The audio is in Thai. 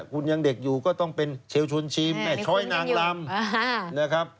คุณยังเด็กอยู่ก็ต้องเป็นเชลชนชิมแม่ช้อยนางลำนะครับ